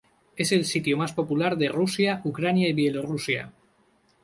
Es el sitio más popular de Rusia, Ucrania y Bielorrusia.